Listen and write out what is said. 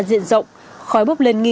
diện rộng khói bốc lên nghi